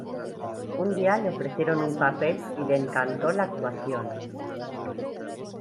Un día le ofrecieron un papel y le encantó la actuación.